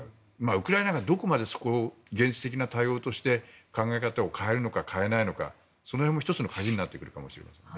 ウクライナがどこまでそこを現実的な対応として考え方を変えるのか変えないのかその辺も１つの鍵になってくるかもしれません。